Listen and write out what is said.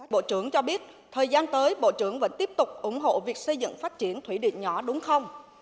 bộ trưởng cho biết thời gian tới bộ trưởng vẫn tiếp tục ủng hộ việc xây dựng phát triển thủy điện nhỏ đúng không